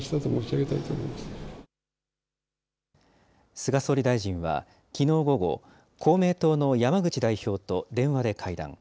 菅総理大臣は、きのう午後、公明党の山口代表と電話で会談。